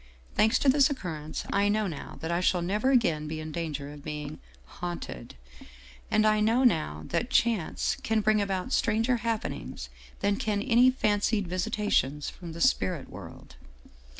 Thanks to this occurrence I know now that I shall never again be in danger of being ' haunted/ " And I know now that Chance can bring about stranger happenings than can any fancied visitations from the spirit world.